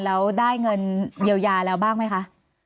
แล้วได้เงินเยียวยาแล้วบ้างไหมคะ